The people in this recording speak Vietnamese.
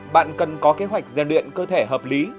bạn cần có kế hoạch gian luyện cơ thể hợp lý